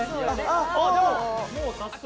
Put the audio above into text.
ああでももう早速。